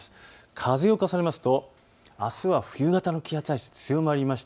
風を重ねますとあすは冬型の気圧配置、強まりまして